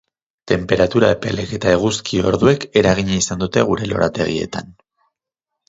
Tenperatura epelek eta eguzki orduek, eragina izan dute gure lorategietan.